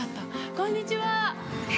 ◆こんにちは。